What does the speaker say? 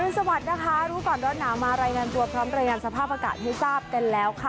สวัสดีนะคะรู้ก่อนร้อนหนาวมารายงานตัวพร้อมรายงานสภาพอากาศให้ทราบกันแล้วค่ะ